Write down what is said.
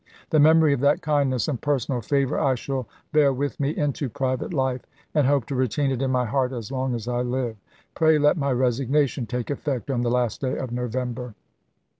The memory of that kind ness and personal favor I shall bear with me into private life, and hope to retain it in my heart as Ltaooto, long as I live. Pray let my resignation take effect i864.v' ms. on the last day of November."